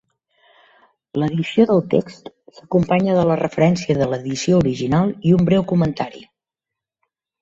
L'edició del text s'acompanya de la referència de l'edició original i un breu comentari.